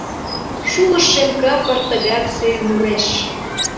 Шулыш шем капыр тыгак сӧй нуреш.